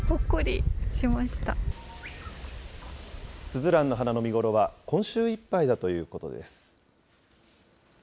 スズランの花の見頃は今週いっぱいだということです。